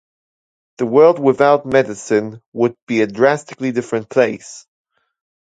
The world without medicine would be a drastically different place.